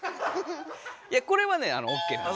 いやこれはねオッケーなんです。